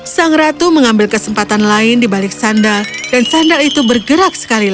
sang ratu mengambil kesempatan lain di balik sandal dan sandal itu bergerak sekali lagi